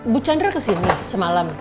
bu chandra kesini semalam